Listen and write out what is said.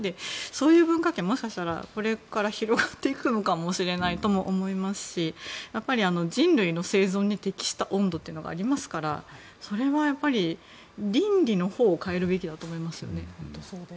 そういう文化圏がもしかしたらこれから広がっていくかもしれないと思いますしやっぱり、人類の生存に適した温度というのがありますからそれも倫理のほうを変えるべきだと思いますね。